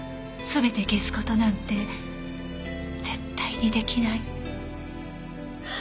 全て消す事なんて絶対に出来ない。